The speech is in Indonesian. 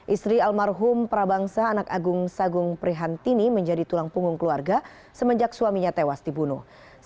istri almarhum prabangsa anak agung sagung prihantini menjadi tulang punggung keluarga semenjak suaminya tewas dibunuh